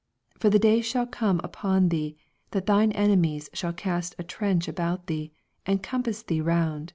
48 For the days shall come upon thee, that thine enemies shall cast a trench about thee, and compass thee roand.